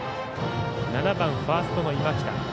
７番ファーストの今北。